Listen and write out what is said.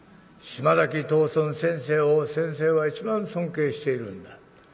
島崎藤村先生を先生は一番尊敬しているんだ。